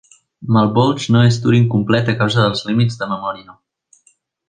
Malbolge no és Turing complet a causa dels límits de memòria.